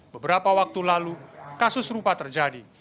beberapa waktu lalu kasus serupa terjadi